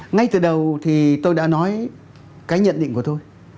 ngay từ đầu thì tôi đã nói cái nhận định của tôi